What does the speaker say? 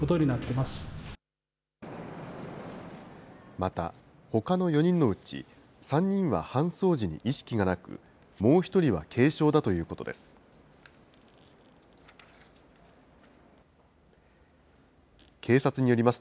また、ほかの４人のうち３人は搬送時に意識がなく、もう１人は軽傷だということです。